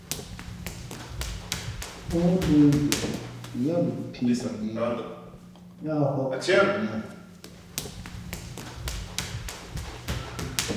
Móó lə̄ njoʼ yāā lα pǐ bα nehē, yáá ghōp tαmīe.